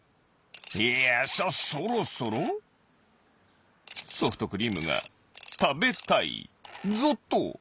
いやそろそろソフトクリームがたべたいぞっと！